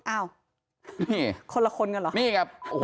อ้าวคนละคนกันเหรอ